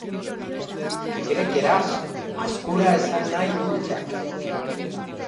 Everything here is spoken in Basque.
Grekeraz, azkura esan nahi du hitzak.